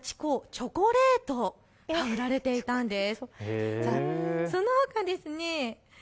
チョコレート売られていたんです。